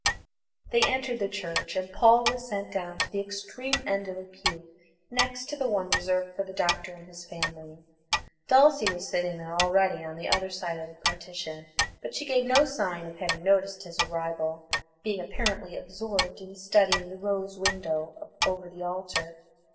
They entered the church, and Paul was sent down to the extreme end of a pew next to the one reserved for the Doctor and his family. Dulcie was sitting there already on the other side of the partition; but she gave no sign of having noticed his arrival, being apparently absorbed in studying the rose window over the altar.